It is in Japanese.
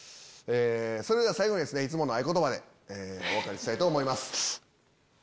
それでは最後にいつもの合言葉でお別れしたいと思います。